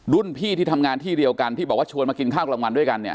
รุ่นพี่ที่ทำงานที่เดียวกันที่บอกว่าชวนมากินข้าวกลางวันด้วยกันเนี่ย